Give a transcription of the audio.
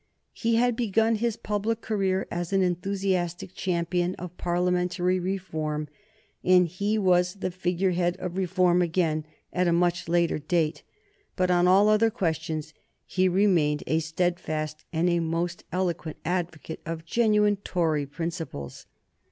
He had begun his public career as an enthusiastic champion of Parliamentary reform, and he was the figure head of reform again at a much later date, but on all other questions he remained a steadfast and a most eloquent advocate of genuine Tory principles.